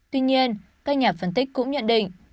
tuy nhiên các nhà phân tích cũng nhận định